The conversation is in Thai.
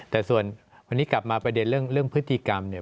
แต่ส่วนวันนี้กลับมาประเด็นเรื่องพฤติกรรมเนี่ย